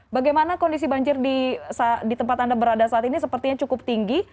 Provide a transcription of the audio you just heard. bagaimana kondisi banjir di tempat anda berada saat ini sepertinya cukup tinggi